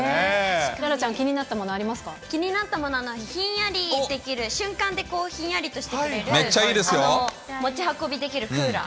楽々ちゃん気になったもの気になったものは、ひんやりできる、瞬間でひんやりとしてくれる、持ち運びできるクーラー。